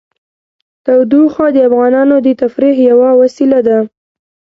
تودوخه د افغانانو د تفریح یوه وسیله ده.